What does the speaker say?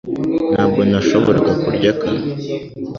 Ntabwo nashoboraga kurya akanwa